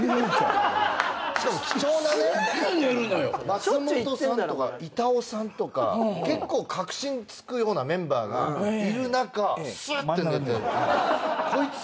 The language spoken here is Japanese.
松本さんとか板尾さんとか結構核心つくようなメンバーがいる中スッて寝てこいつ